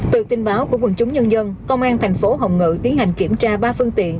từ tin báo của quần chúng nhân dân công an thành phố hồng ngự tiến hành kiểm tra ba phương tiện